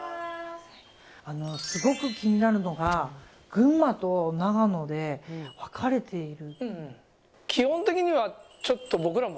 すごく気になるのが群馬と長野で分かれている。